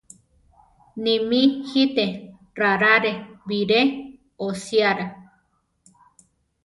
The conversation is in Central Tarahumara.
Nimí gite rarare biré oshiara.